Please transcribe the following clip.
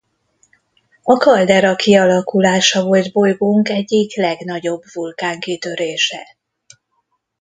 A kaldera kialakulása volt bolygónk egyik legnagyobb vulkánkitörése.